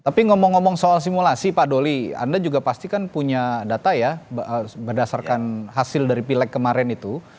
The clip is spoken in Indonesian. tapi ngomong ngomong soal simulasi pak doli anda juga pasti kan punya data ya berdasarkan hasil dari pileg kemarin itu